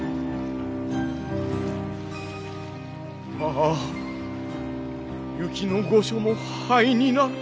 ああ雪の御所も灰になる。